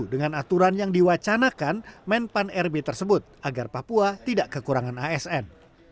dengan aturan yang diwacanakan menpan rb tersebut agar papua tidak kekurangan asn